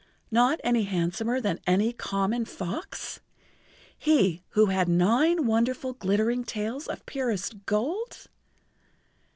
Not any handsomer than any common fox—he who had nine wonderful, glittering tails of purest gold?